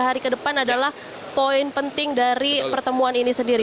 hari ke depan adalah poin penting dari pertemuan ini sendiri